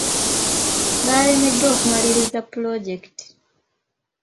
Baalemeddwa okumaliriza pulojekiti.